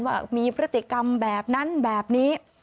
ว่ามีพฤติกรรมแบบนั้นแบบนี้